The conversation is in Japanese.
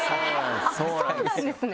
あっそうなんですね！